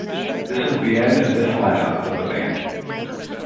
This was the end of this line-up of the band.